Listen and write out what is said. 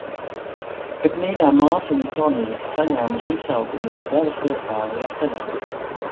Bet mīļā māsiņa Tonija, saņēmusi izsaukumu, jau devusies tālajā ceļā.